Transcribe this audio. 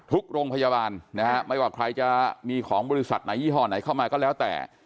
ทุกโรงพยาบาลนะฮะไม่ว่าใครจะมีของบริษัทไหนยี่ห้อไหนเข้ามาก็แล้วแต่